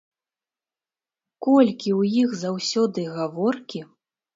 Колькі ў іх заўсёды гаворкі!